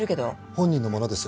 本人のものです。